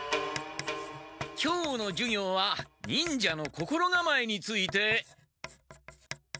今日の授業は忍者の心がまえについて。